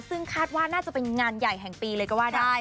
ซึ่งคาดว่าน่าจะเป็นงานใหญ่แห่งปีเลยก็ว่าได้